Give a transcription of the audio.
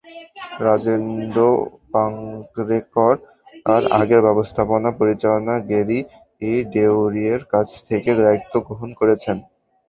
রাজেন্দ্র পাংরেকর আগের ব্যবস্থাপনা পরিচালক গ্যারি ডেওয়িংয়ের কাছ থেকে দায়িত্ব গ্রহণ করেছেন।